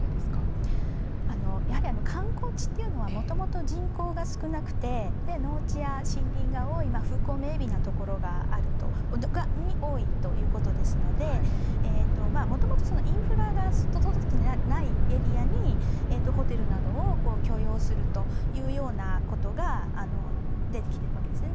やはり観光地というのはもともと、人口が少なくて農地や森林が多い風光明美なところに多いということですのでもともとインフラが整っていないエリアにホテルなどを共用するというようなことが出てきているわけですね。